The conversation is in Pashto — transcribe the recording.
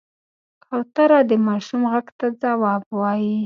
کوتره د ماشوم غږ ته ځواب وايي.